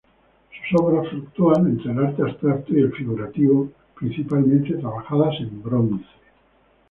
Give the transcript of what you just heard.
Sus obras fluctúan entre el arte abstracto y el figurativo, principalmente trabajadas en bronce.